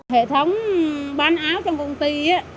hệ thống bán áo trong công ty